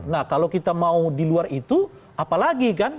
nah kalau kita mau di luar itu apalagi kan